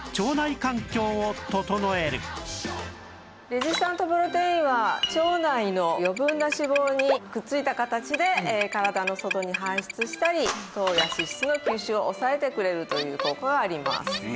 レジスタントプロテインは腸内の余分な脂肪にくっついた形で体の外に排出したり糖や脂質の吸収を抑えてくれるという効果があります。